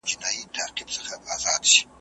نور مي بېګانه له پلونو ښار دی بیا به نه وینو `